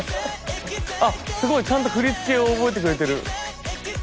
あすごいちゃんと振り付けを覚えてくれてる。